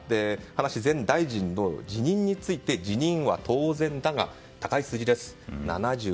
葉梨前大臣の辞任について辞任は当然だが高い数字です。